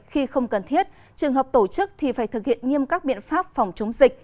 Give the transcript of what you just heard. khi không cần thiết trường hợp tổ chức thì phải thực hiện nghiêm các biện pháp phòng chống dịch